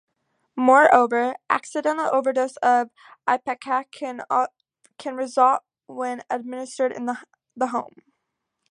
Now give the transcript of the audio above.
Moreover, accidental overdose of ipecac can result when administered in the home.